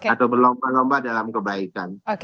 atau berlomba lomba dalam kebaikan